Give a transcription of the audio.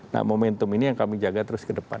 nah momentum ini yang kami jaga terus ke depan